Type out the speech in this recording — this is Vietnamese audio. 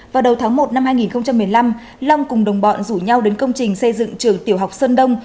vào đầu tháng một năm hai nghìn một mươi năm long cùng đồng bọn rủ nhau đến công trình xây dựng trường tiểu học sơn đông